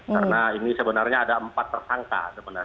karena ini sebenarnya ada empat tersangka